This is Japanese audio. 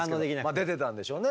まあ出てたんでしょうね。